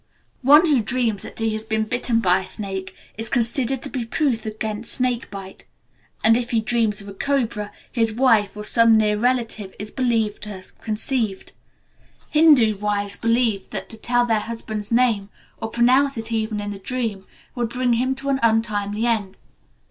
One who dreams that he has been bitten by a snake is considered to be proof against snake bite; and if he dreams of a cobra, his wife or some near relative is believed to have conceived. Hindu wives believe that to tell their husband's name, or pronounce it even in a dream, would bring him to an untimely end.